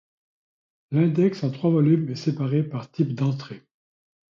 L'index en trois volumes est séparé par type d'entrée.